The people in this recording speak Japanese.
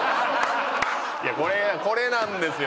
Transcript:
いやこれこれなんですよ。